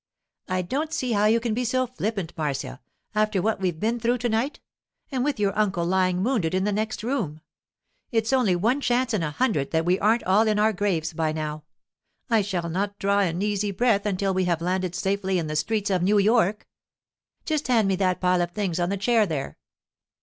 'I don't see how you can be so flippant, Marcia, after what we've been through to night—and with your uncle lying wounded in the next room! It's only one chance in a hundred that we aren't all in our graves by now. I shall not draw an easy breath until we have landed safely in the streets of New York. Just hand me that pile of things on the chair there.